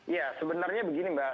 ya sebenarnya begini mbak